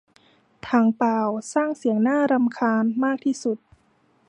ถังเปล่าสร้างเสียงน่ารำคาญมากที่สุด